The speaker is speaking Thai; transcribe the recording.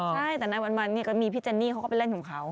ใช่แต่ในวันเนี่ยก็มีพี่เจนนี่เขาก็ไปเล่นของเขา